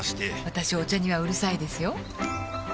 私お茶にはうるさいですよ